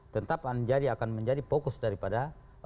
tetap akan menjadi fokus daripada